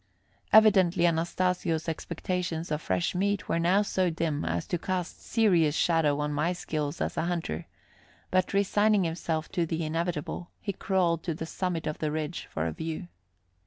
Evidently Anastasio's expectations of fresh meat were now so dim as to cast serious shadows on my skill as a hunter; but, resigning himself to the inevitable, he crawled to the summit of the ridge for a view.